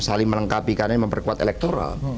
saling menengkapi karena memperkuat elektoral